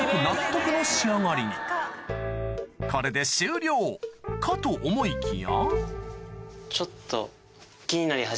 これで終了かと思いきやちょっと。